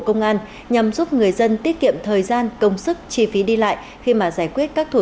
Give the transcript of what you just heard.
công an nhằm giúp người dân tiết kiệm thời gian công sức chi phí đi lại khi mà giải quyết các thủ